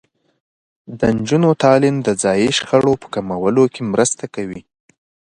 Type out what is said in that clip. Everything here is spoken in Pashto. د نجونو تعلیم د ځايي شخړو په کمولو کې مرسته کوي.